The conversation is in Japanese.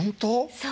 そう。